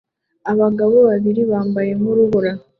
Abagabo babiri bambaye nk'urubura